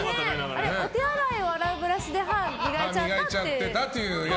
あれ、お手洗いを洗うブラシで歯を磨いちゃったっていう。